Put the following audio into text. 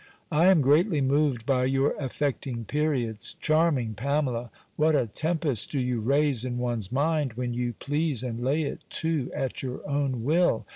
I am greatly moved by your affecting periods. Charming Pamela! what a tempest do you raise in one's mind, when you please, and lay it too, at your own will!